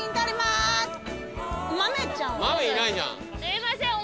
すいません。